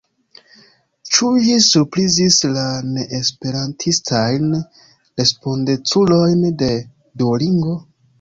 Ĉu ĝi surprizis la neesperantistajn respondeculojn de Duolingo?